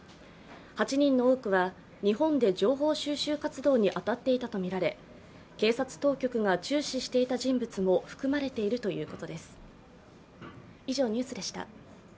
８人の多くは日本で情報収集活動に当たっていたとみられ警察当局が注視していた人物も含まれているということです。